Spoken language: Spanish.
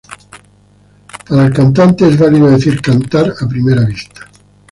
Para el cantante es válido decir cantar a primera vista.